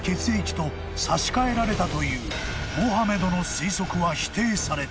［というモハメドの推測は否定された］